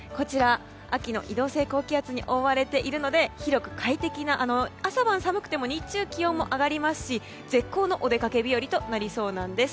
秋の移動性高気圧に覆われているので広く快適な、朝晩寒くても日中、気温も上がりますし絶好のお出かけ日和となりそうです。